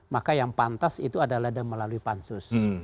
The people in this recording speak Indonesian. maka yang pantas itu adalah melalui pansus